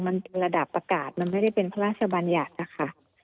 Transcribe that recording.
มันเป็นระดับประกาศมันไม่ได้เป็นพระราชบัญญัตินะคะ